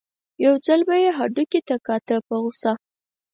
یو ځل به یې هډوکي ته کاته په غوسه.